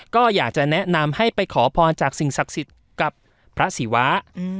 ก็อยากจะแนะนำให้ไปขอพรจากสิ่งศักดิ์สิทธิ์กับพระศิวะ